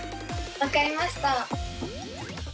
分かりました。